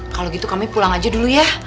kalau gitu kami pulang aja dulu ya